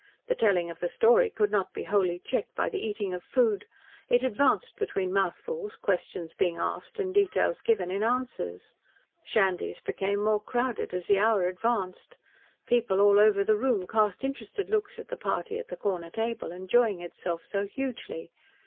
The telling of the story could not be wholly checked by the eating of food. It advanced between mouthfuls, questions being asked and details given in answers. Shandy's became more crowded, as the hour advanced. People all over the room cast interested looks at the party at the corner table, enjoying itself so hugely.